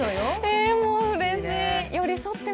もう、うれしい。